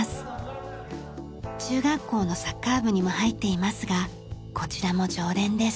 中学校のサッカー部にも入っていますがこちらも常連です。